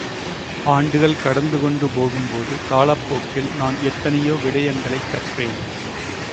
ஆண்டுகள் கடந்து கொண்டு போகும்போது, காலப்போக்கில் நான் எத்தனையோ விஷயங்களைக் கற்றேன்.